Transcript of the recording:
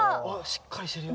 しっかりしてるよ。